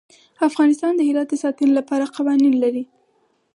افغانستان د هرات د ساتنې لپاره قوانین لري.